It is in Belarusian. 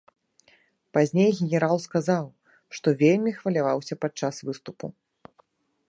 Пазней генерал сказаў, што вельмі хваляваўся падчас выступу.